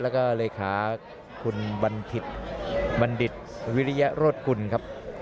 และก็เลยคาคุณบันดิตวิริยรถกุลครับ